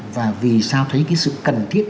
và vì sao thấy sự cần thiết